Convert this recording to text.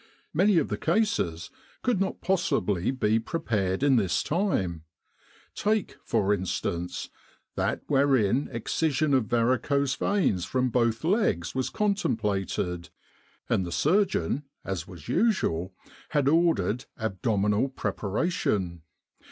Many of the cases could not possibly be prepared in this time. Take, for instance, that wherein excision of varicose veins from both legs was contemplated, and the surgeon, as was usual, had ordered * abdominal preparation.'